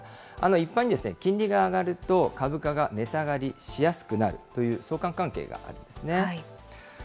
一般に金利が上がると、株価が値下がりしやすくなるという相関関係があるんですね。